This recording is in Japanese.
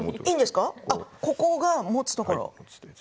ここが持つところ。